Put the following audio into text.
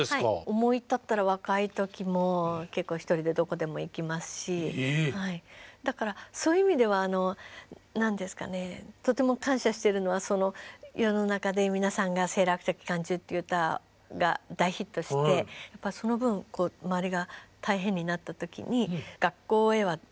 思い立ったら若い時も結構一人でどこでも行きますしだからそういう意味では何ですかねとても感謝しているのは世の中で皆さんが「セーラー服と機関銃」という歌が大ヒットしてその分周りが大変になった時に学校へは誰も守ってくれないし